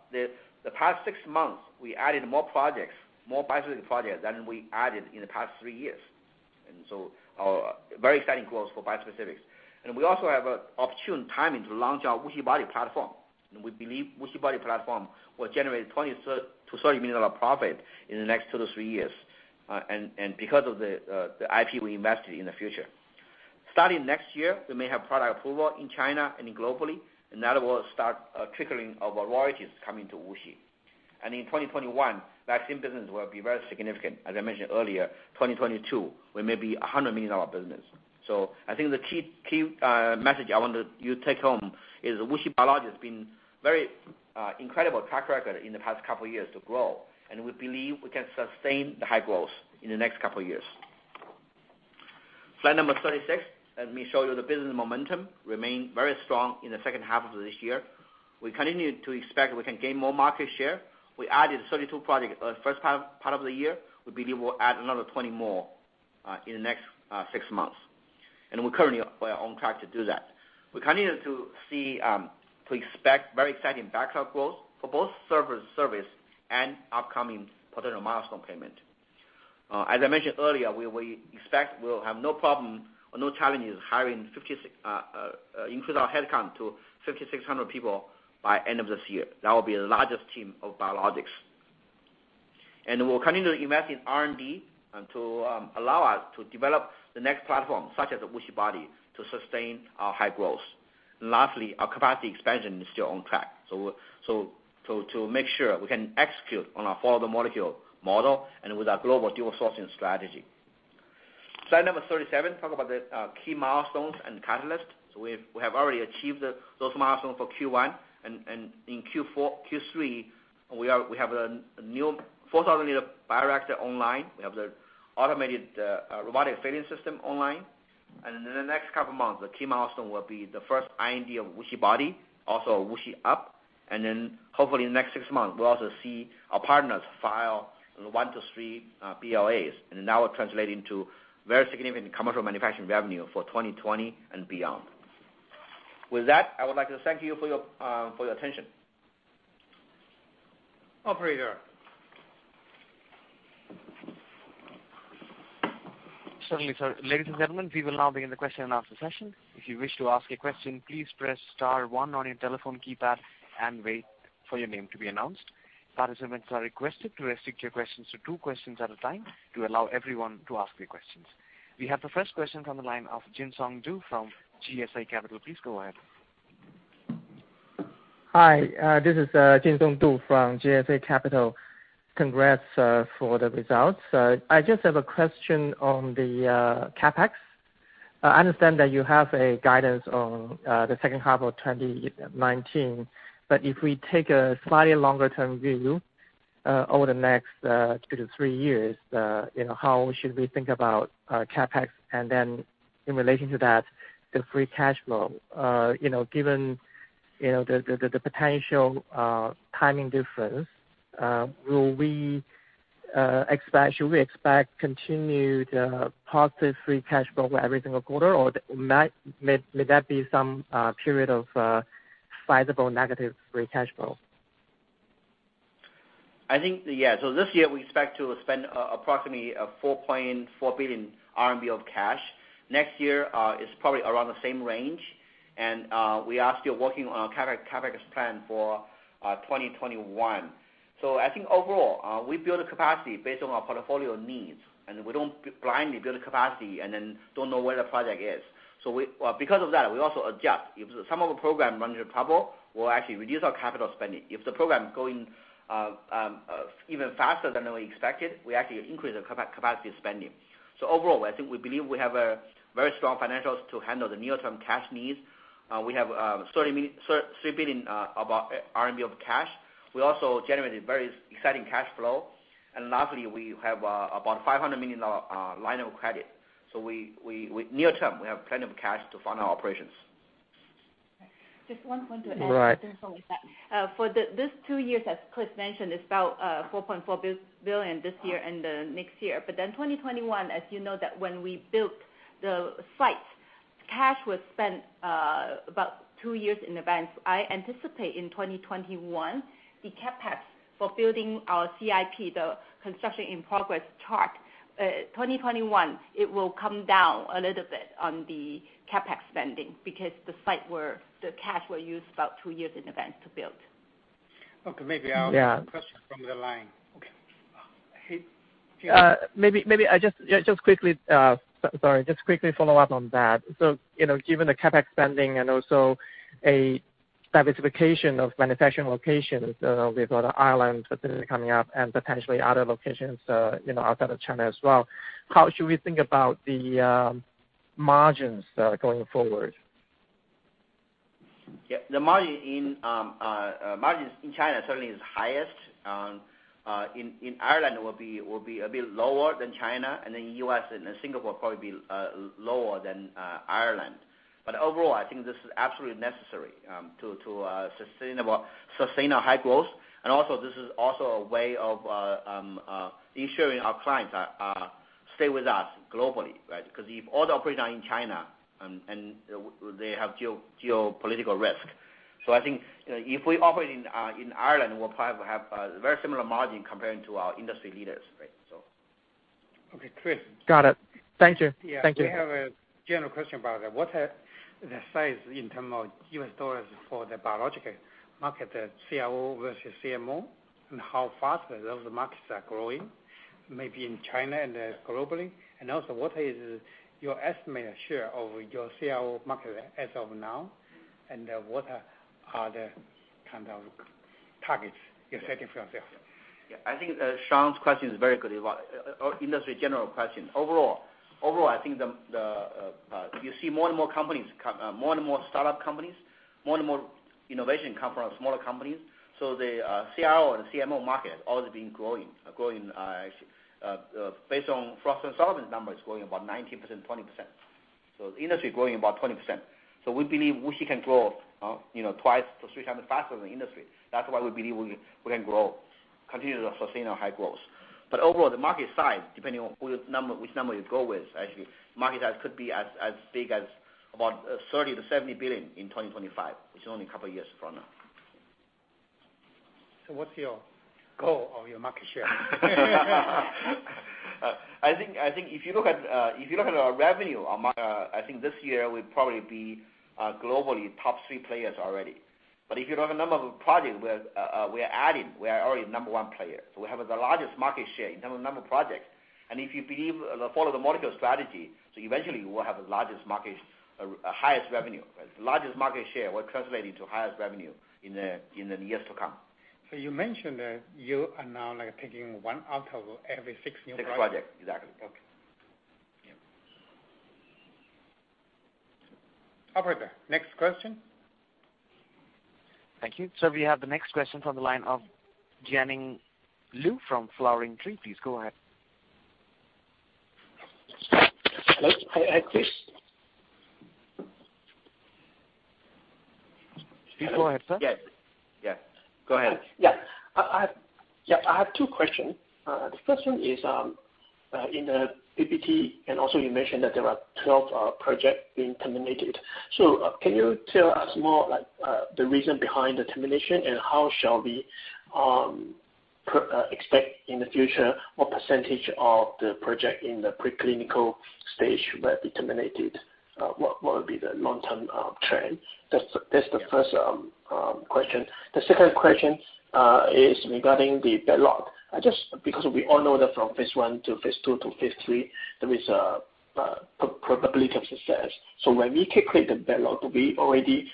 The past 6 months, we added more bispecific projects than we added in the past 3 years. Very exciting growth for bispecific. We also have an opportune timing to launch our WuXiBody platform. We believe WuXiBody platform will generate RMB 20 million-30 million profit in the next two to three years, and because of the IP we invested in the future. Starting next year, we may have product approval in China and globally, and that will start trickling of our royalties coming to WuXi. In 2021, vaccine business will be very significant. As I mentioned earlier, 2022, we may be $100 million business. I think the key message I want you to take home is WuXi Biologics has been very incredible track record in the past couple years to grow, and we believe we can sustain the high growth in the next couple years. Slide number 36, let me show you the business momentum remain very strong in the second half of this year. We continue to expect we can gain more market share. We added 32 projects first part of the year. We believe we'll add another 20 more in the next six months, and we currently are on track to do that. We continue to expect very exciting backlog growth for both service and upcoming potential milestone payment. As I mentioned earlier, we expect we'll have no problem or no challenges increase our headcount to 5,600 people by end of this year. That will be the largest team of biologics. We'll continue to invest in R&D to allow us to develop the next platform, such as WuXiBody, to sustain our high growth. Lastly, our capacity expansion is still on track, to make sure we can execute on our Follow the Molecule model and with our Global Dual Sourcing strategy. Slide number 37, talk about the key milestones and catalysts. We have already achieved those milestones for Q1. In Q3, we have a new 4,000-liter bioreactor online. We have the automated robotic filling system online. In the next couple months, the key milestone will be the first IND of WuXiBody, also WuXiUP. Hopefully in the next six months, we'll also see our partners file one to three BLAs, and that will translate into very significant commercial manufacturing revenue for 2020 and beyond. With that, I would like to thank you for your attention. Operator. Certainly, sir. Ladies and gentlemen, we will now begin the question and answer session. If you wish to ask a question, please press star one on your telephone keypad and wait for your name to be announced. Participants are requested to restrict your questions to two questions at a time to allow everyone to ask their questions. We have the first question from the line of Jinsong Du from GSA Capital. Please go ahead. Hi, this is Jinsong Du from GSA Capital. Congrats for the results. I just have a question on the CapEx. I understand that you have a guidance on the second half of 2019, if we take a slightly longer-term view, over the next two to three years, how should we think about CapEx? In relation to that, the free cash flow. Given the potential timing difference, should we expect continued positive free cash flow every single quarter, or may that be some period of sizable negative free cash flow? I think, yeah. This year, we expect to spend approximately 4.4 billion RMB of cash. Next year is probably around the same range. We are still working on our CapEx plan for 2021. I think overall, we build the capacity based on our portfolio needs, and we don't blindly build the capacity and then don't know where the project is. Because of that, we also adjust. If some of the program runs into trouble, we'll actually reduce our capital spending. If the program going even faster than we expected, we actually increase the capacity spending. Overall, I think we believe we have a very strong financials to handle the near-term cash needs. We have about 3 billion of cash. We also generated very exciting cash flow. Lastly, we have about 500 million line of credit. Near term, we have plenty of cash to fund our operations. Just one point to add. Right before we start. For this two years, as Chris Chen mentioned, it's about 4.4 billion this year and the next year. 2021, as you know that when we built the sites, cash was spent about two years in advance. I anticipate in 2021, the CapEx for building our CIP, the construction in progress chart, 2021, it will come down a little bit on the CapEx spending because the cash were used about two years in advance to build. Okay. Maybe I'll take a question from the line. Okay. Hey, Jinsong. Maybe I just quickly follow up on that. Given the CapEx spending and also a diversification of manufacturing locations, we've got Ireland potentially coming up and potentially other locations outside of China as well, how should we think about the margins going forward? Yeah. The margins in China certainly is highest. In Ireland, will be a bit lower than China, and then U.S. and Singapore probably be lower than Ireland. Overall, I think this is absolutely necessary to sustain our high growth. Also, this is also a way of ensuring our clients stay with us globally, right? Because if all the operations are in China, and they have geopolitical risk. I think if we operate in Ireland, we'll probably have a very similar margin compared to our industry leaders. Right. Okay. Chris? Got it. Thank you. Yeah. Thank you. We have a general question about that. What is the size in terms of US dollars for the biological market, the CRO versus CMO, and how fast those markets are growing maybe in China and globally? Also, what is your estimated share of your CRO market as of now, and what are the kind of targets you're setting for yourself? Yeah, I think Sean's question is very good. Industry general question. Overall, I think you see more and more startup companies, more and more innovation come from smaller companies. The CRO and CMO market has always been growing. Based on Frost & Sullivan numbers, it is growing about 19%, 20%. The industry is growing about 20%. That is why we believe WuXi can grow twice to three times faster than the industry. That is why we believe we can continue to sustain our high growth. Overall, the market size, depending on which number you go with, actually, market size could be as big as about $30 billion-$70 billion in 2025. It is only a couple years from now. What's your goal of your market share? I think if you look at our revenue, I think this year we'll probably be globally top three players already. If you look at the number of projects we are adding, we are already number 1 player. We have the largest market share in terms of number of projects. If you Follow the Molecule strategy, eventually we will have the highest revenue. The largest market share will translate into highest revenue in the years to come. You mentioned that you are now taking one out of every six new projects. Six projects. Exactly. Okay. Yeah. Operator, next question. Thank you. We have the next question from the line of Jianing Liu from Flowering Tree. Please go ahead. Hello. Can I ask this? Please go ahead, sir. Yeah. Go ahead. Yeah. I have two questions. The first one is, in the PPT, and also you mentioned that there are 12 projects being terminated. Can you tell us more, like the reason behind the termination and how shall we expect in the future what percentage of the project in the preclinical stage will be terminated? What will be the long-term trend? That's the first question. The second question is regarding the backlog. Just because we all know that from phase I to phase II to phase III, there is a probability of success. When we calculate the backlog, we already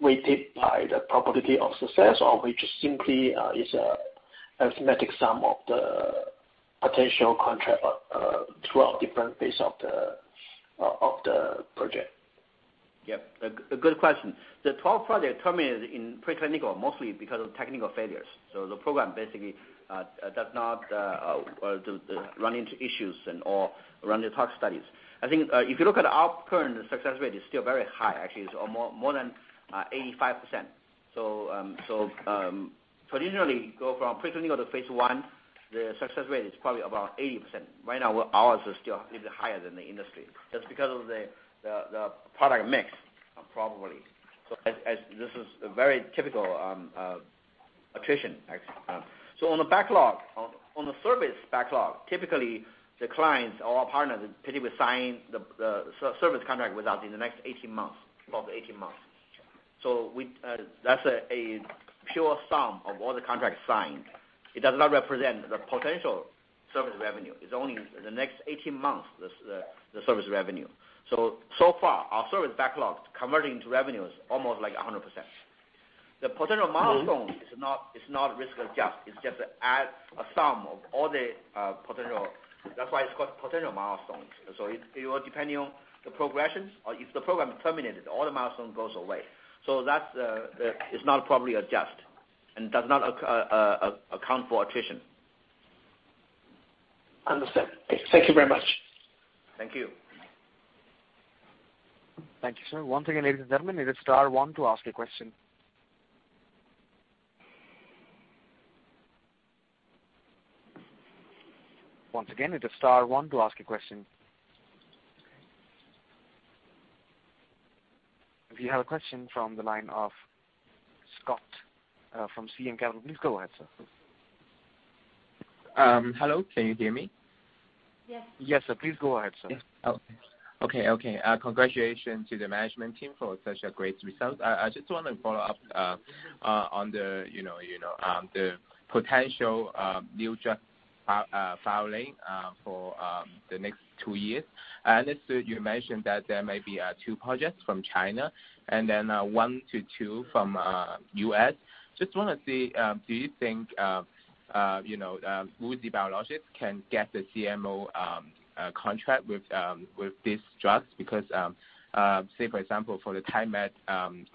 weighted by the probability of success, or we just simply is an arithmetic sum of the potential contract throughout different phase of the project? A good question. The 12 projects terminated in preclinical, mostly because of technical failures. The program basically does not run into issues and/or run the tox studies. I think if you look at our current success rate, it's still very high actually. It's more than 85%. Traditionally, you go from preclinical to phase I, the success rate is probably about 80%. Right now, ours is still a little higher than the industry just because of the product mix, probably. This is a very typical attrition, actually. On the backlog, on the service backlog, typically the clients or our partners, they will sign the service contract with us in the next 18 months, about 18 months. That's a pure sum of all the contracts signed. It does not represent the potential service revenue. It's only the next 18 months, the service revenue. So far our service backlogs converting to revenue is almost like 100%. The potential milestones is not risk-adjusted. It's just a sum of all the potential. That's why it's called potential milestones. It will depend on the progressions or if the program is terminated, all the milestones goes away. That is not properly adjusted and does not account for attrition. Understood. Okay. Thank you very much. Thank you. Thank you, sir. Once again, ladies and gentlemen, it is star one to ask a question. We have a question from the line of Scott from CM Kelton. Please go ahead, sir. Hello, can you hear me? Yes. Yes, sir. Please go ahead, sir. Yeah. Oh, okay. Congratulations to the management team for such a great result. I just want to follow up on the potential new drug filing for the next two years. I noticed you mentioned that there may be 2 projects from China and then one to two from the U.S. Just want to see, do you think WuXi Biologics can get the CMO contract with this drug? Say for example, for the TaiMed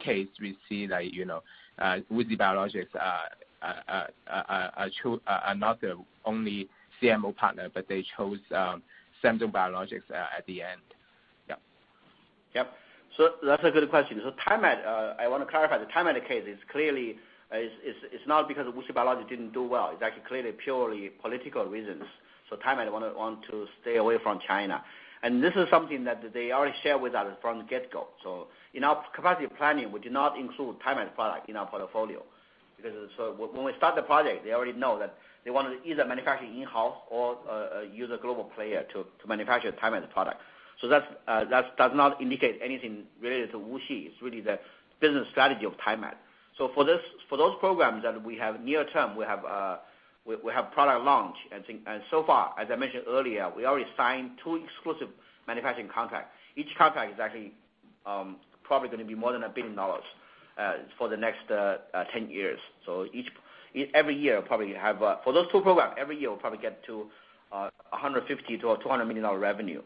case, we see that WuXi Biologics are not the only CMO partner, but they chose Centus Biotherapeutics at the end. Yeah. Yep. That's a good question. I want to clarify, the TaiMed case is clearly not because WuXi Biologics didn't do well. It's actually clearly purely political reasons. TaiMed want to stay away from China, and this is something that they already shared with us from the get-go. In our capacity planning, we do not include TaiMed product in our portfolio because when we start the project, they already know that they wanted to either manufacture in-house or use a global player to manufacture TaiMed product. That does not indicate anything related to WuXi. It's really the business strategy of TaiMed. For those programs that we have near term, we have product launch, and so far, as I mentioned earlier, we already signed two exclusive manufacturing contract. Each contract is actually probably going to be more than RMB 1 billion for the next 10 years. For those two programs, every year, we'll probably get to RMB 150 million-RMB 200 million revenue.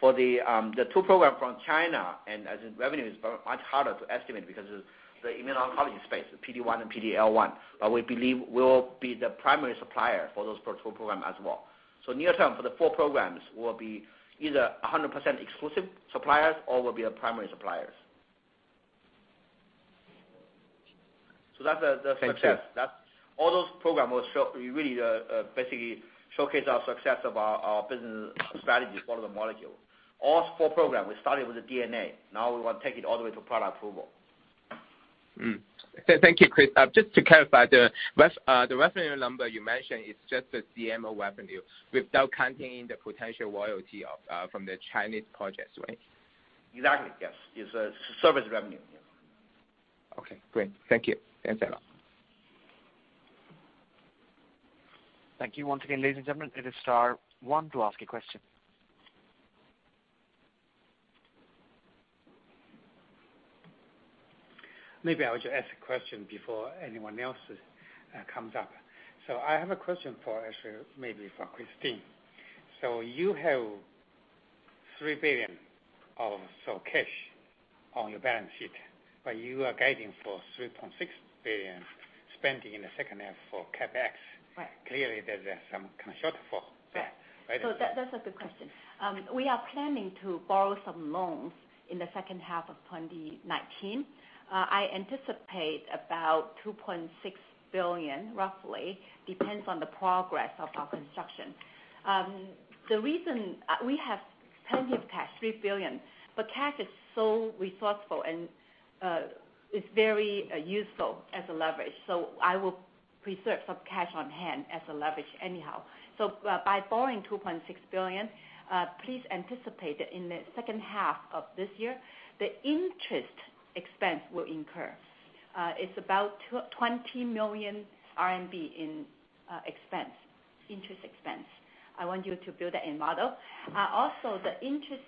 For the two programs from China, and as in revenue, it's much harder to estimate because of the immunology space, the PD-1 and PD-L1, but we believe we'll be the primary supplier for those two programs as well. Near term for the four programs, we'll be either 100% exclusive suppliers or we'll be a primary supplier. That's the success. Thank you. All those program really basically showcase our success of our business strategies for the Molecule. All four program, we started with the DNA, now we want to take it all the way to product approval. Thank you, Chris. Just to clarify, the revenue number you mentioned is just the CMO revenue without counting the potential royalty from the Chinese projects, right? Exactly, yes. It's a service revenue. Okay, great. Thank you. Thanks a lot. Thank you once again, ladies and gentlemen, it is star one to ask a question. Maybe I'll just ask a question before anyone else comes up. I have a question actually maybe for Christine. You have 3 billion or so cash on your balance sheet, but you are guiding for 3.6 billion spending in the second half for CapEx. Right. Clearly, there's some kind of shortfall there, right? Yeah. That's a good question. We are planning to borrow some loans in the second half of 2019. I anticipate about 2.6 billion roughly, depends on the progress of our construction. We have plenty of cash, 3 billion, but cash is so resourceful, and it's very useful as a leverage. I will preserve some cash on hand as a leverage anyhow. By borrowing 2.6 billion, please anticipate that in the second half of this year, the interest expense will incur. It's about 20 million RMB in interest expense. I want you to build that in model. Also, the interest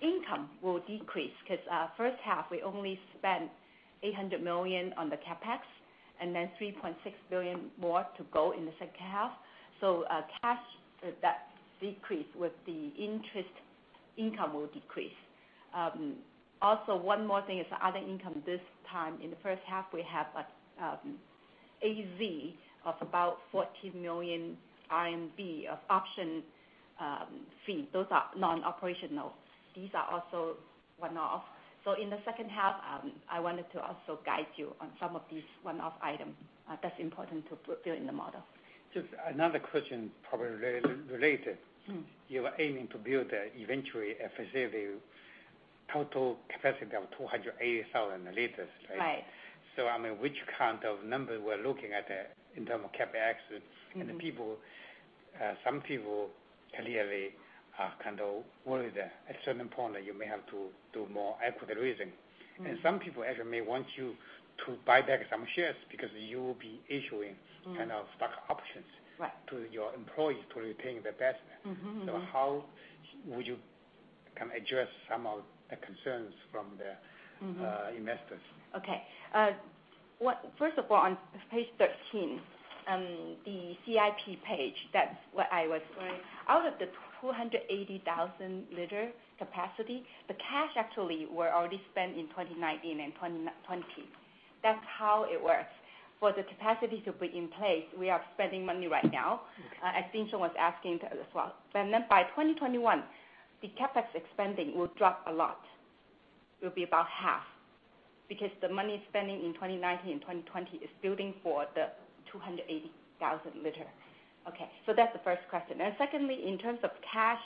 income will decrease because first half, we only spent 800 million on the CapEx, and then 3.6 billion more to go in the second half. Cash that decrease with the interest income will decrease. One more thing is other income this time in the first half, we have AstraZeneca of about 14 million RMB of option fee. Those are non-operational. These are also one-off. In the second half, I wanted to also guide you on some of these one-off item that's important to put there in the model. Just another question, probably related. You are aiming to build eventually a facility total capacity of 280,000 liters, right? Right. I mean, which kind of number we're looking at in terms of CapEx? Some people clearly are kind of worried that at a certain point that you may have to do more equity raising. Some people actually may want you to buy back some shares because you'll be issuing. kind of stock options Right. -to your employees to retain the best. how would you kind of address some of the concerns from. -investors? Okay. First of all, on page 13, the CIP page, that is what I was referring. Out of the 280,000 liter capacity, the cash actually were already spent in 2019 and 2020. That is how it works. For the capacity to be in place, we are spending money right now. Okay. Xingxing was asking as well. By 2021, the CapEx expending will drop a lot. It'll be about half because the money spending in 2019 and 2020 is building for the 280,000 liter. That's the first question. Secondly, in terms of cash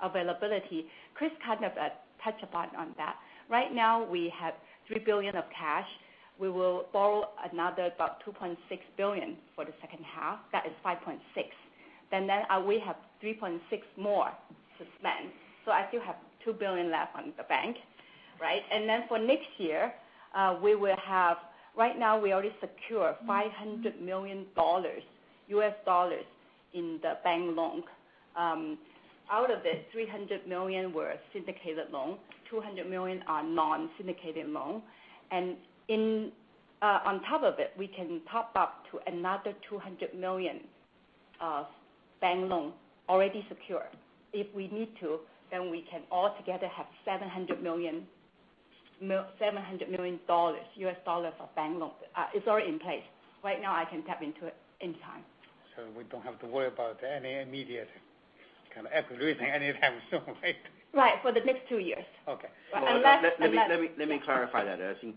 availability, Chris kind of touched upon on that. Right now, we have 3 billion of cash. We will borrow another about 2.6 billion for the second half. That is 5.6 billion. We have 3.6 billion more to spend. I still have 2 billion left on the bank, right? For next year, right now we already secure $500 million U.S. dollars in the bank loan. Out of it, $300 million were syndicated loan, $200 million are non-syndicated loan. On top of it, we can top up to another $200 million of bank loan already secure. If we need to, then we can altogether have $700 million US dollars for bank loans. It's already in place. Right now I can tap into it anytime. We don't have to worry about any immediate kind of everything anytime soon, right? Right. For the next two years. Okay. Unless- Let me clarify that, I think.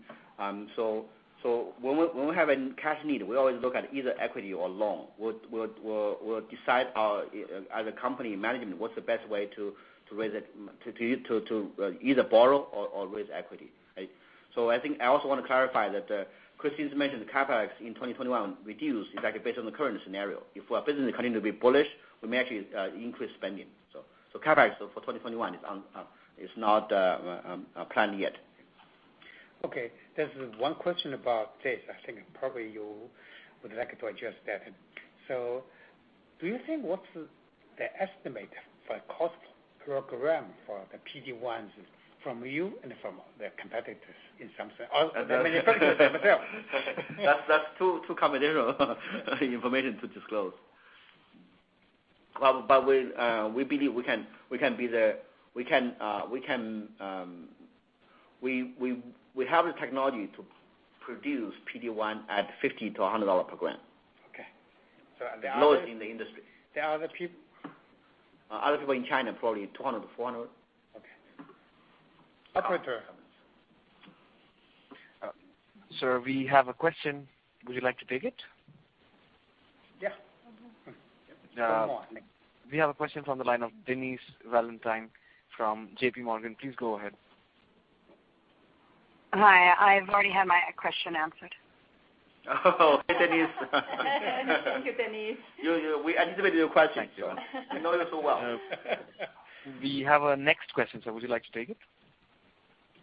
When we have a cash need, we always look at either equity or loan. We'll decide as a company management, what's the best way to either borrow or raise equity. I think I also want to clarify that Christine's mentioned the CapEx in 2021 reduced, is actually based on the current scenario. If our business continue to be bullish, we may actually increase spending. CapEx for 2021 is not planned yet. Okay. There's one question about this. I think probably you would like to address that. What's the estimate for cost per gram for the PD-1s from you and from the competitors or the manufacturers themselves? That's too confidential information to disclose. We believe we have the technology to produce PD-1 at RMB 50-RMB 100 per gram. Okay. Lowest in the industry. There are other peop- Other people in China, probably 200 to 400. Okay. Operator. Sir, we have a question. Would you like to take it? Yeah. Go on. We have a question from the line of Denise Valentine from JP Morgan. Please go ahead. Hi. I've already had my question answered. Oh, hey, Denise. Thank you, Denise. We anticipated your question. Thank you. We know you so well. We have a next question, sir. Would you like to take it?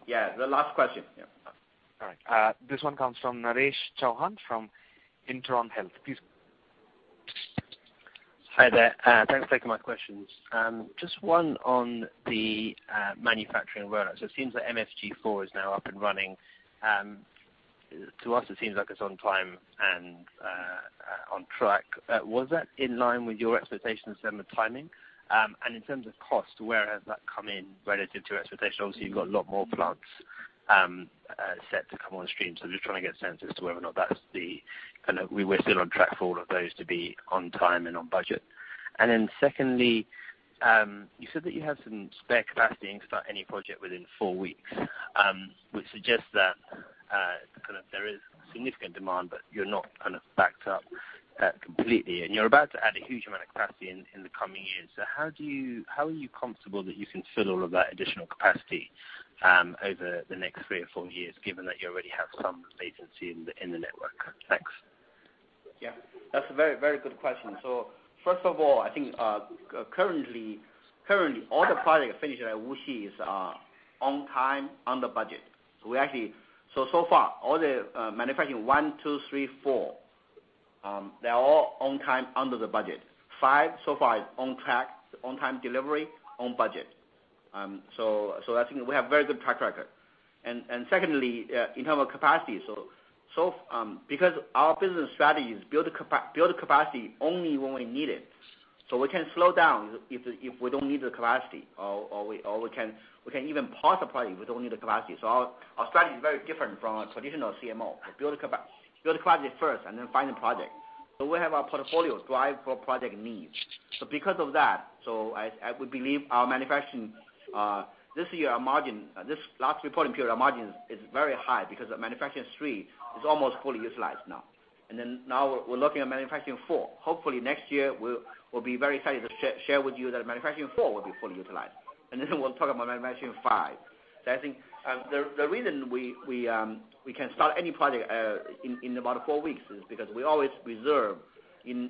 Yeah, the last question. Yeah. All right. This one comes from Naresh Chauhan from Intron Health. Please. Hi there. Thanks for taking my questions. Just one on the manufacturing rollout. It seems that MFG4 is now up and running. To us, it seems like it's on time and on track. Was that in line with your expectations in terms of timing? In terms of cost, where has that come in relative to expectations? Obviously, you've got a lot more plants set to come on stream, so just trying to get a sense as to whether or not we're still on track for all of those to be on time and on budget. Secondly, you said that you have some spare capacity and can start any project within four weeks, which suggests that there is significant demand, but you're not backed up completely. You're about to add a huge amount of capacity in the coming years. How are you comfortable that you can fill all of that additional capacity over the next three or four years, given that you already have some vacancy in the network? Thanks. Yeah. That's a very good question. First of all, I think currently all the projects finished at WuXi is on time, under budget. So far, all the manufacturing 1, 2, 3, 4, they're all on time, under the budget. 5, so far, is on track, on time delivery, on budget. I think we have very good track record. Secondly, in terms of capacity, so because our business strategy is build capacity only when we need it. We can slow down if we don't need the capacity, or we can even pause the project if we don't need the capacity. Our strategy is very different from a traditional CMO, build capacity first and then find the project. We have our portfolio drive for project needs. Because of that, I would believe our manufacturing-- this year, our margin, this last reporting period, our margin is very high because our MFG3 is almost fully utilized now. Now we're looking at MFG4. Hopefully next year, we'll be very excited to share with you that MFG4 will be fully utilized. We'll talk about manufacturing five. I think the reason we can start any project in about four weeks is because we always reserve in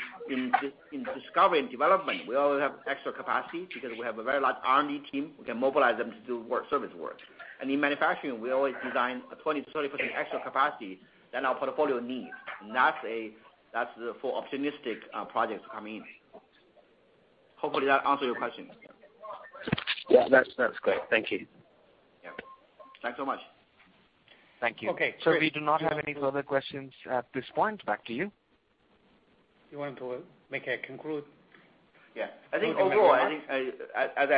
discovery and development. We always have extra capacity because we have a very large R&D team. We can mobilize them to do service work. In manufacturing, we always design 20%-30% extra capacity than our portfolio needs, and that's for optimistic projects to come in. Hopefully that answer your question. Yeah. That's great. Thank you. Yeah. Thanks so much. Thank you. Okay. Sir, we do not have any further questions at this point. Back to you. You want to make a conclusion? I think overall, as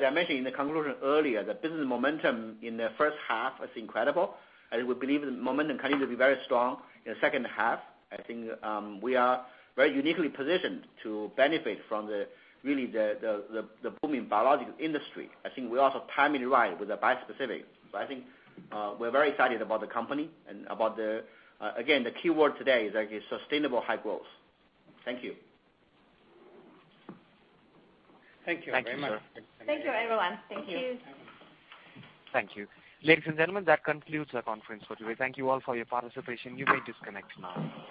I mentioned in the conclusion earlier, the business momentum in the first half is incredible, and we believe the momentum continues to be very strong in the second half. I think we are very uniquely positioned to benefit from really the booming biologics industry. I think we're also timely right with the bispecific. I think we're very excited about the company and again, the keyword today is actually sustainable high growth. Thank you. Thank you very much. Thank you, everyone. Thank you. Thank you. Ladies and gentlemen, that concludes our conference for today. Thank you all for your participation. You may disconnect now.